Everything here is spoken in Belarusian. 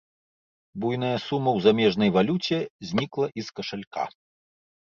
Буйная сума ў замежнай валюце знікла і з кашалька.